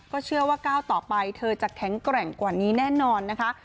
เชื่อว่าก้าวต่อไปเธอจะแข็งแกร่งกว่านี้แน่นอนนะคะ